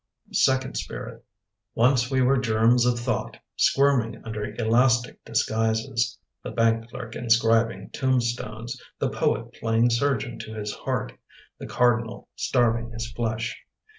Second Spirit Once we were germs of thought Squirming under elastic disguises — The bank clerk inscribing tombstones; The poet playing surgeon to his heart; The cardinal starving his flesh.